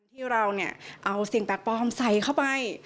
ที่เราเนี่ยเอาสิ่งแปลกปลอมใส่เข้าไป